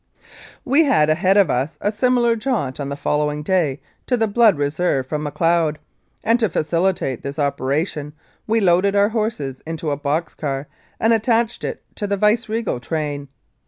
We had ahead of us a similar jaunt on the following day to the Blood Reserve from Macleod, and to facili tate this operation we loaded our horses into a box car and attached it to the viceregal train.